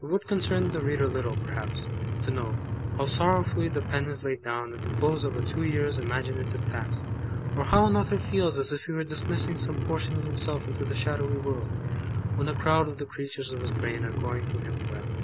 It would concern the reader little, perhaps, to know, how sorrowfully the pen is laid down at the close of a two years' imaginative task; or how an Author feels as if he were dismissing some portion of himself into the shadowy world, when a crowd of the creatures of his brain are going from him for ever.